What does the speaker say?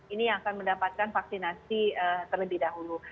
ini yang akan mendapatkan vaksinasi terlebih dahulu